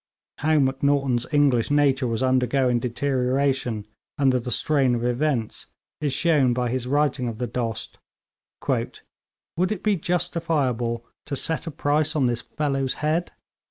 How Macnaghten's English nature was undergoing deterioration under the strain of events is shown by his writing of the Dost: 'Would it be justifiable to set a price on this fellow's head?'